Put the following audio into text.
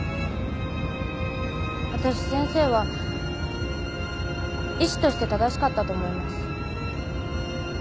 わたし先生は医師として正しかったと思います。